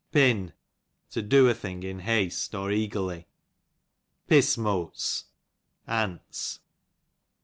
Pinn, to do a thing in haste or eagerly, Pissmotcs, ants.